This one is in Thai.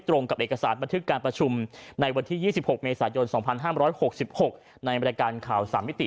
กับเอกสารบันทึกการประชุมในวันที่๒๖เมษายน๒๕๖๖ในบริการข่าว๓มิติ